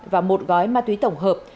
và một gói ma túy tổng hợp